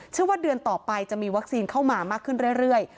ว่าเดือนต่อไปจะมีวัคซีนเข้ามามากขึ้นเรื่อย